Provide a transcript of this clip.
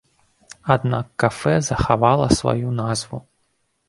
Аднак кафэ захавала сваю назву.